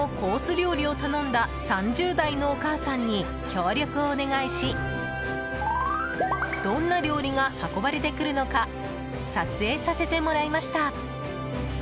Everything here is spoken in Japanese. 料理を頼んだ３０代のお母さんに協力をお願いしどんな料理が運ばれてくるのか撮影させてもらいました。